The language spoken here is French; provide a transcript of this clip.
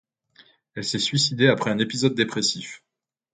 Elle s'est suicidée après un épisode dépressif.